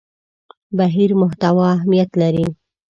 بهیر محتوا اهمیت لري.